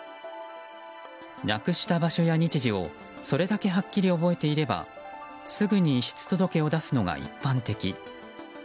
なくした場所や日時をそれだけはっきり覚えていればすぐに遺失届を出すのが一般的。